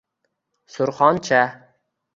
Surxoncha